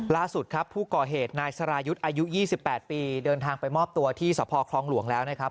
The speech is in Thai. ล่าสุดครับผู้ก่อเหตุนายสรายุทธ์อายุ๒๘ปีเดินทางไปมอบตัวที่สพคลองหลวงแล้วนะครับ